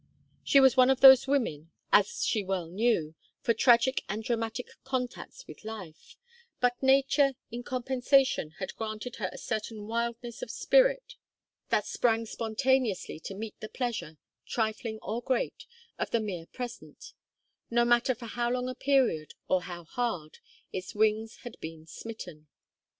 She was one of those women, cast, as she well knew, for tragic and dramatic contacts with life, but Nature in compensation had granted her a certain wildness of spirit that sprang spontaneously to meet the pleasure, trifling or great, of the mere present; no matter for how long a period, or how hard, its wings had been smitten.